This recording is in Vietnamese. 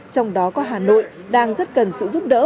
trong đó có hà nội đang rất cần sự giúp đỡ